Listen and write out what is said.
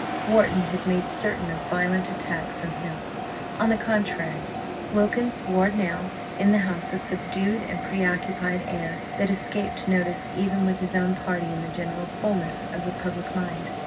Wharton had made certain of violent attack from him. On the contrary, Wilkins wore now in the House a subdued and pre occupied air that escaped notice even with his own party in the general fulness of the public mind.